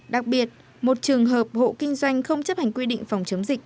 đặc biệt một trường hợp hộ kinh doanh không chấp hành quy định phòng chống dịch